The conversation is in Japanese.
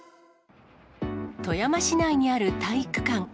富山市内にある体育館。